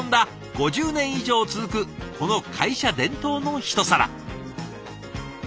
５０年以上続くこの会社伝統のひと皿。